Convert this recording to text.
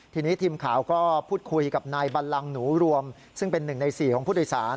ทีนี้ทีมข่าวก็พูดคุยกับนายบัลลังหนูรวมซึ่งเป็น๑ใน๔ของผู้โดยสาร